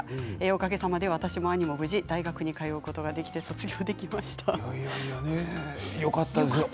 おかげさまで私も兄も無事大学に通うことができてよかったですよ。